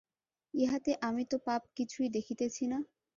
ইহাতে আমি তো পাপ কিছুই দেখিতেছি না।